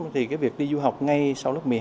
thì cái việc đi du học ngay sau lớp một mươi hai